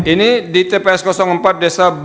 ini di tps empat desa b